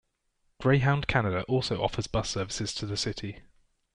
Greyhound Canada also offers bus services to the city.